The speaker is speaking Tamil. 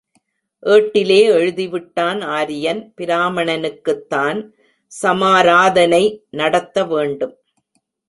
ஏட்டிலே எழுதிவிட்டான் ஆரியன், பிராமணனுக்குத் தான் சமாராதனை நடத்த வேண்டும்.